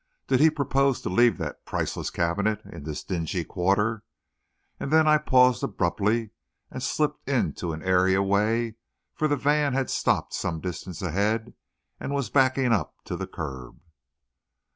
Did he propose to leave that priceless cabinet in this dingy quarter? And then I paused abruptly and slipped into an area way, for the van had stopped some distance ahead and was backing up to the curb.